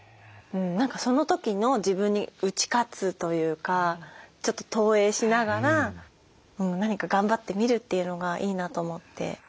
何かその時の自分に打ち勝つというかちょっと投影しながら何か頑張ってみるというのがいいなと思って。